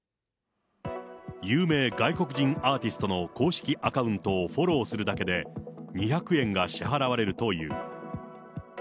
有名外国人アーティストの公式アカウントをフォローするだけで、２００円が支払われるという。